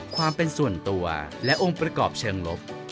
ความเป็นส่วนตัวและองค์ประกอบเชิงลบ